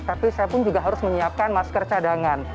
tapi saya pun juga harus menyiapkan masker cadangan